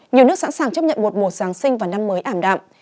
nhiều nước sẵn sàng chấp nhận một mùa giáng sinh và năm mới ảm đạm